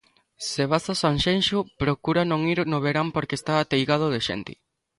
Se vas a Sanxenxo, procura non ir no verán porque está ateigado de xente